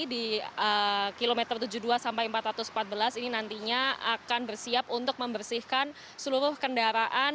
di kilometer tujuh puluh dua sampai empat ratus empat belas ini nantinya akan bersiap untuk membersihkan seluruh kendaraan